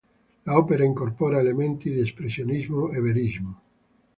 L'opera incorpora elementi di espressionismo e verismo.